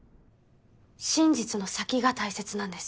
真実の先が大切なんです。